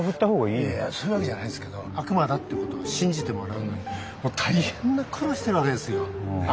いやいやそういうわけじゃないですけど悪魔だってことを信じてもらうのにもう大変な苦労してるわけですよ。